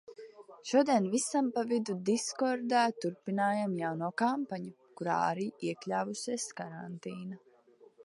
Šodien visam pa vidu diskordā turpinājām jauno kampaņu, kurā arī iekļāvusies karantīna.